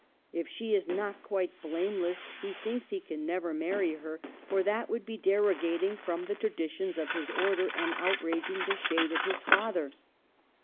If she is not quite blameless, he thinks he can never marry her, for that would be\ derogating from the traditions of his order and J outraging the shade of his father.